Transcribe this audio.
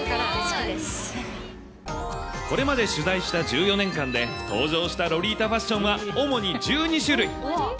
これまで取材した１４年間で、登場したロリータファッションは主に１２種類。